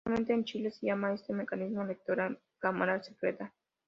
Actualmente en Chile se llama a este mecanismo electoral, "cámara secreta".